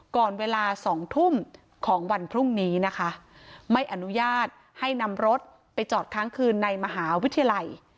ก่อนเวลาสองทุ่มของวันพรุ่งนี้นะคะไม่อนุญาตให้นำรถไปจอดค้างคืนในมหาวิทยาลัย